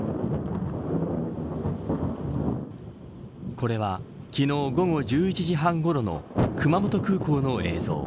これは昨日午後１１時半ごろの熊本空港の映像。